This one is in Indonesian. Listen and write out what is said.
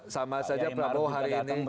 sama saja prabowo hari ini